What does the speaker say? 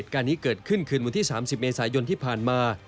วันที่๓๐นสายยนต์ที่ผ่านมา